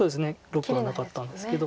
⑥はなかったんですけど。